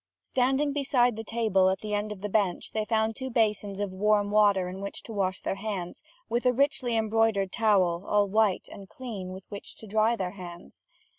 Standing beside the table, at the end of a bench, they found two basins of warm water in which to wash their hands, with a richly embroidered towel, all white and clean, with which to dry their hands.